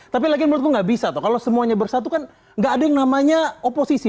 tapi lagian menurut saya nggak bisa kalau semuanya bersatu kan nggak ada yang namanya oposisi